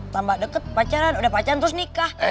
tambah deket pacaran udah pacaran terus nikah